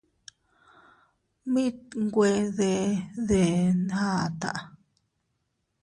Mit nwe de deʼn ata.